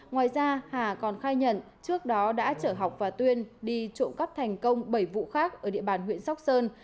ngoài ra hà còn khai nhận trước đó đã chở học và tuyên đi trộm cắp thành công bảy vụ khác ở địa bàn huyện sóc sơn